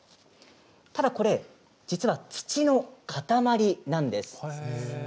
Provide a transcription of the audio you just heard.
ただ、これ実は土の塊なんです。